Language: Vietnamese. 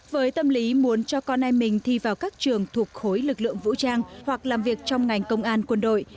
với tâm lý muốn cho con em mình thi vào các trường thuộc khối lực lượng vũ trang hoặc làm việc trong ngành công an quân đội